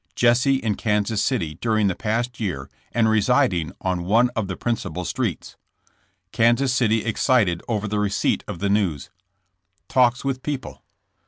— Jesse in Kansas City During the Past Year and Residing on One of the Principal Streets. — Kan sas City Excited Over the Receipt of the News. — Talks With People.